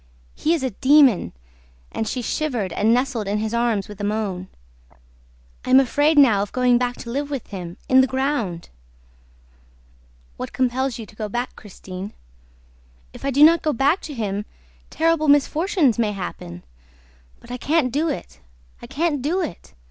"He is a demon!" And she shivered and nestled in his arms with a moan. "I am afraid now of going back to live with him ... in the ground!" "What compels you to go back, Christine?" "If I do not go back to him, terrible misfortunes may happen! ... But I can't do it, I can't do it!